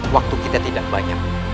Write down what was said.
waktu kita tidak banyak